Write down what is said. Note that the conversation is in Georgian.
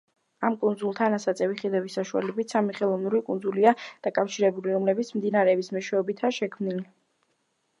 ამ კუნძულთან ასაწევი ხიდების საშუალებით სამი ხელოვნური კუნძულია დაკავშირებული, რომლებიც მდინარეების მეშვეობითაა შემქნილი.